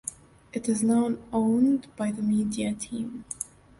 It is now owned by The Media Team.